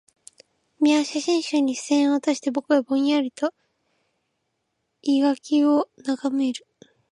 君は写真集に視線を落として、僕はぼんやりと生垣を眺める